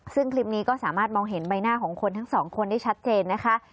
ซึ่งคลิปนี้ก็สามารถมองเห็นใบหน้าของคนทั้งสองคนได้ชัดเจนนะคะ